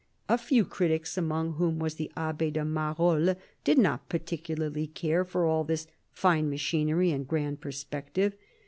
A few critics, among whom was the Abb6 de Marolles, did not particularly care for all this "fine machinery and grand perspective."